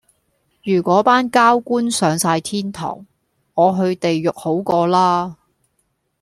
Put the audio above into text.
如果班膠官上哂天堂,我去地獄好過啦